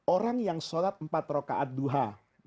orang yang sholat empat rokaat duha